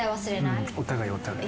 うんお互いお互い。